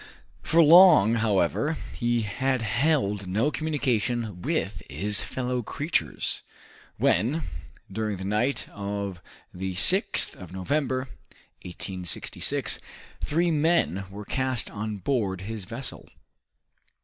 For long, however, he had held no communication with his fellow creatures, when, during the night of the 6th of November, 1866, three men were cast on board his vessel.